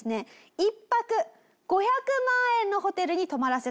１泊５００万円のホテルに泊まらせたと。